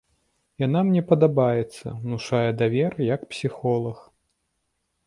Яна мне падабаецца, унушае давер, як псіхолаг.